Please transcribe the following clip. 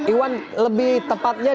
iwan lebih tepatnya